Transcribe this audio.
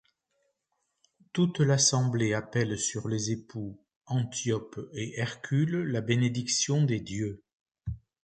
Toute l'assemblée appelle sur les époux, Antiope et Hercule la bénédiction des dieux.